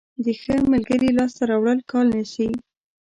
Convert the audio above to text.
د ښه ملګري لاسته راوړل کال نیسي.